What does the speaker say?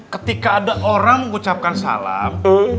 ketika ada orang mengucapkan salam